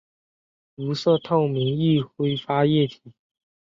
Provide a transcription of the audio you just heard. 无色透明易挥发液体。